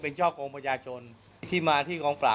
เนื่องจากว่าอยู่ระหว่างการรวมพญาหลักฐานนั่นเองครับ